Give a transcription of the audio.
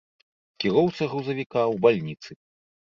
Кіроўца грузавіка ў бальніцы.